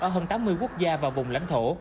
ở hơn tám mươi quốc gia và vùng lãnh thổ